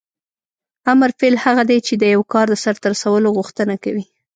امر فعل هغه دی چې د یو کار د سرته رسولو غوښتنه کوي.